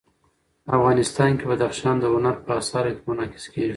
افغانستان کې بدخشان د هنر په اثار کې منعکس کېږي.